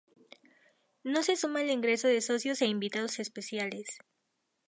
No se suma el ingreso de socios e invitados especiales.